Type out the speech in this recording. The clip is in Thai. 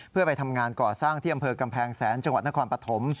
เพื่อไปทำงานก่อสร้างที่อำเภอกำแพงแสนจังหวัดนครปฐม